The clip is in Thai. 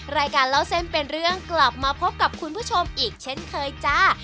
รายการเล่าเส้นเป็นเรื่องกลับมาพบกับคุณผู้ชมอีกเช่นเคยจ้า